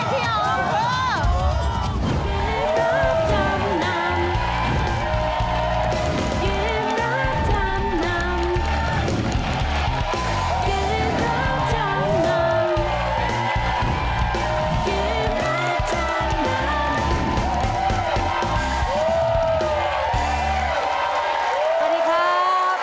เกมรับจำนำ